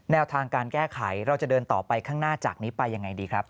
แนวทางการแก้ไขเราจะเดินต่อไปข้างหน้าจากนี้ไปยังไงดีครับ